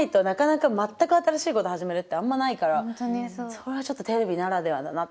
それはちょっとテレビならではだなって。